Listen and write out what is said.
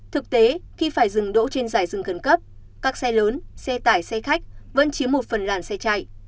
thực tế khi phải dừng đỗ trên giải rừng khẩn cấp các xe lớn xe tải xe khách vẫn chiếm một phần làn xe chạy